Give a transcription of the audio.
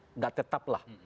tidak tetap lah